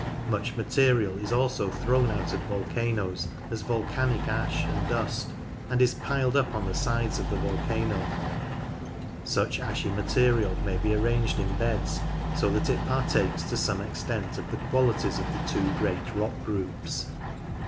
Much material is also thrown out of volcanoes as volcanic ash and dust, and is piled up on the sides of the volcano. Such ashy material may be arranged in beds, so that it partakes to some extent of the qualities of the two great rock groups.